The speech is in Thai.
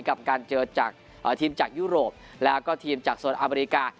กับการเจอจากทีมจากยุโรปแล้วก็ทีมจากโซนอเมริกา